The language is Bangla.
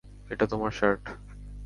এটা তোমার শার্ট?